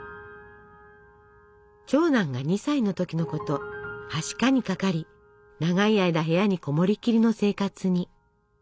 長男が２歳の時のことはしかにかかり長い間部屋に籠もりきりの生活に。